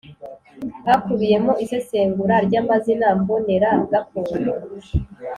Hakubiyemo isesengura ry’amazina mbonera gakondo,